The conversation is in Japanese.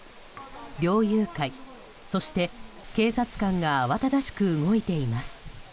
猟友会、そして警察官が慌ただしく動いています。